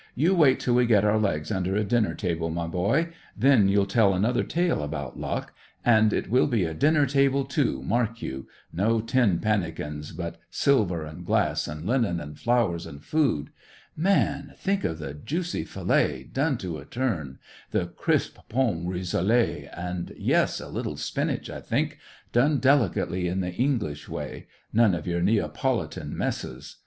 "You wait till we get our legs under a dinner table, my boy; then you'll tell another tale about luck. And it will be a dinner table, too, mark you; no tin pannikins, but silver and glass and linen and flowers, and food Man, think of the juicy fillet, done to a turn; the crisp pomme rissolé, and yes, a little spinach, I think, done delicately in the English way; none of your Neapolitan messes.